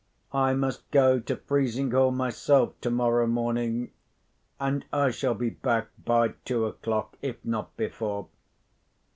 I must go to Frizinghall myself tomorrow morning—and I shall be back by two o'clock, if not before.